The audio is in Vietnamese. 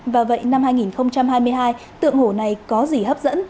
và vậy năm hai nghìn hai mươi hai tượng hổ này có gì hấp dẫn